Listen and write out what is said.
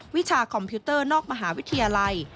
วิชาคอมพิวเตอร์นอกมหาวิทยาลัย